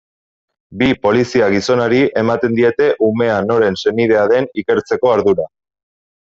Bi polizia-gizonari ematen diete umea noren senidea den ikertzeko ardura.